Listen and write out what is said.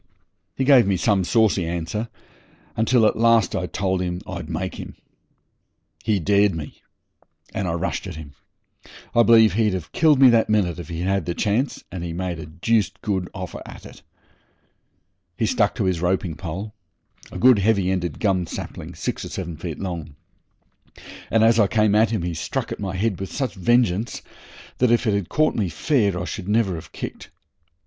He gave me some saucy answer, until at last I told him I'd make him. He dared me, and I rushed at him. I believe he'd have killed me that minute if he'd had the chance, and he made a deuced good offer at it. He stuck to his roping stick a good, heavy ended gum sapling, six or seven feet long and as I came at him he struck at my head with such vengeance that, if it had caught me fair, I should never have kicked.